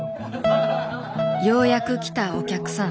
ようやく来たお客さん。